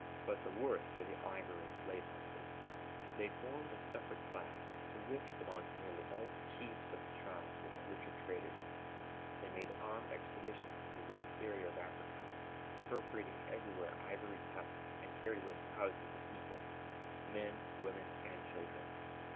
But the worst were the ivory and slave hunters. They formed a separate class, to which belonged nearly all the chiefs of the tribes and the richer traders. They made armed expeditions into the interior of Africa, appropriating everywhere ivory tusks, and carried away thousands of people: men, women, and children.